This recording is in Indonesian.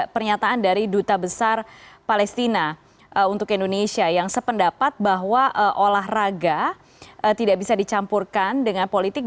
pernyataan dari duta besar palestina untuk indonesia yang sependapat bahwa olahraga tidak bisa dicampurkan dengan politik